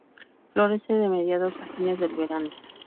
Florece de mediados a fines del verano.